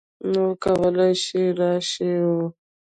نو کولی شې راشې او